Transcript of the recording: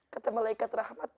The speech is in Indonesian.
kata malaikat rahmat